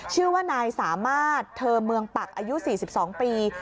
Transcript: ชื่อว่านายสามารถเธอเมืองปักอายุ๔๒ปี